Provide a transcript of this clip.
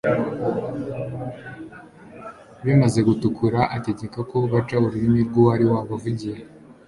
bimaze gutukura, ategeka ko baca ururimi rw'uwari wabavugiye